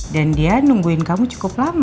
dan dia nungguin kamu cukup lama